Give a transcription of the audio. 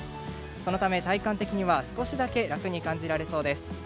そのため、体感的には少しだけ楽に感じられそうです。